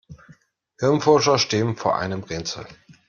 Hirnforscher stehen vor einem Rätsel.